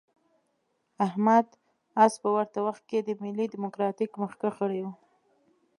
احمد عز په ورته وخت کې د ملي ډیموکراتیک مخکښ غړی و.